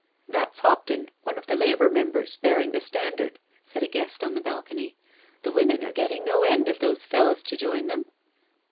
•• That's Hopton— one of the Labour Members— bear ing the standard," said a guest on the balcony. "The women are getting no end of those fellows to join them.'